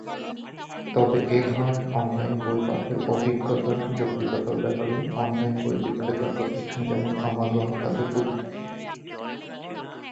তবে এধরনের অনলাইন বই পাঠের অভিজ্ঞতার যৌক্তিকতার ব্যাপারে অনলাইন বই বিক্রেতা প্রতিষ্ঠান যেমন আমাজন তাদের উদ্বেগ প্রকাশ করেছে।